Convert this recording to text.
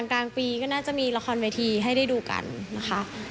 กลางปีก็น่าจะมีละครเวทีให้ได้ดูกันนะคะ